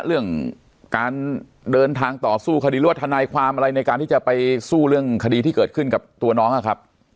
เรื่องการเดินทางต่อสู้คดีหรือว่าทนายความอะไรในการที่จะไปสู้เรื่องคดีที่เกิดขึ้นกับตัวน้องนะครับ